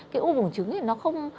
cái u bùng trứng thì nó không